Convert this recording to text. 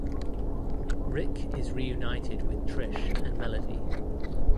Rick is reunited with Trish and Melody.